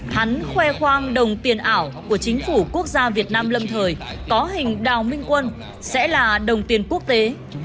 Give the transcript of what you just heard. hắn khoe khoang đồng tiền ảo của chính phủ quốc gia việt nam lâm thời có hình đào minh quân sẽ là đồng tiền quốc tế